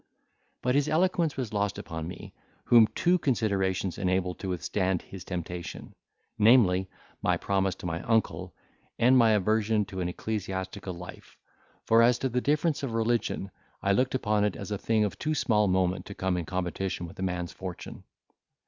But his eloquence was lost upon me, whom two considerations enabled to withstand his temptation; namely, my promise to my uncle, and my aversion to an ecclesiastical life; for as to the difference of religion, I looked upon it as a thing of too small moment to come in competition with a man's fortune.